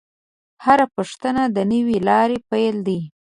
هره پوښتنه د نوې لارې پیل دی.